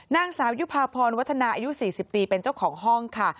นางสาวยุภาพรวัฒนาอายุ๔๐ปีเป็นเจ้าของห้องค่ะ